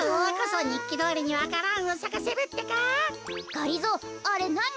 がりぞーあれなに？